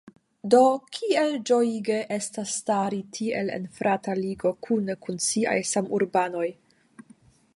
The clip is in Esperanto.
Dio, kiel ĝojige estas stari tiel en frata ligo kune kun siaj samurbanoj!